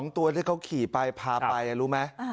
๒ตัวที่เขาขี่ไปพาไปลูกมั้ย